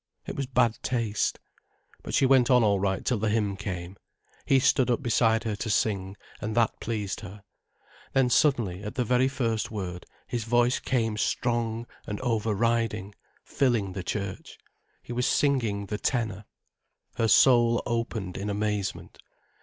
It was bad taste. But she went on all right till the hymn came. He stood up beside her to sing, and that pleased her. Then suddenly, at the very first word, his voice came strong and over riding, filling the church. He was singing the tenor. Her soul opened in amazement.